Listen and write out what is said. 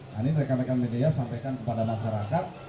nah ini mereka mereka media sampaikan kepada masyarakat